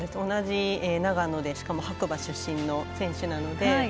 同じ長野でしかも白馬出身の選手なので。